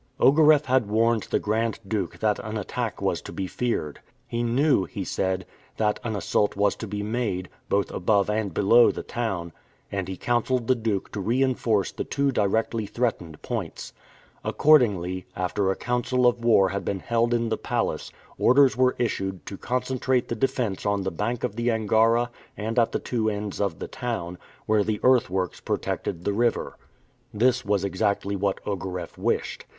Ogareff had warned the Grand Duke that an attack was to be feared. He knew, he said, that an assault was to be made, both above and below the town, and he counselled the Duke to reinforce the two directly threatened points. Accordingly, after a council of war had been held in the palace, orders were issued to concentrate the defense on the bank of the Angara and at the two ends of the town, where the earthworks protected the river. This was exactly what Ogareff wished.